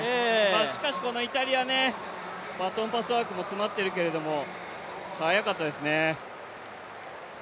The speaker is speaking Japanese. しかし、このイタリア、バトンパスワークも詰まっているけれども、速かったですね。